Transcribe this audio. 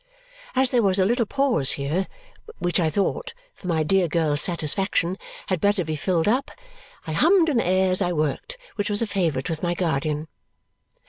As there was a little pause here, which I thought, for my dear girl's satisfaction, had better be filled up, I hummed an air as I worked which was a favourite with my guardian.